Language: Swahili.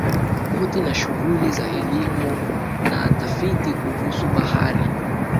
Boti na shughuli za elimu na tafiti kuhusu bahari